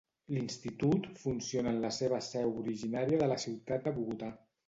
L'Institut funciona en la seva seu originària de la ciutat de Bogotà.